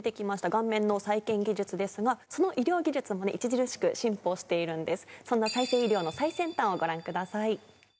顔面の再建技術ですがその医療技術も著しく進歩しているんです。